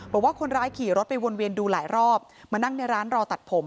บอกว่าคนร้ายขี่รถไปวนเวียนดูหลายรอบมานั่งในร้านรอตัดผม